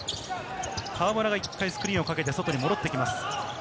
河村が一回スクリーンをかけて外に戻ってきます。